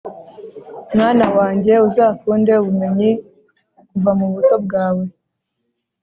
Mwana wanjye, uzakunde ubumenyi kuva mu buto bwawe,